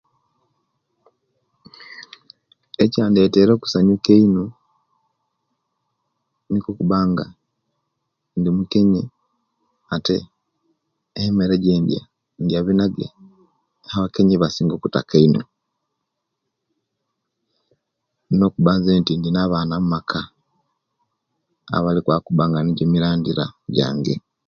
Ekyandetere okusanyuka eino nikwo okubanga ndi mukenye ate emere ejendiya ndiya binage abakenye eibasinga okutaka eino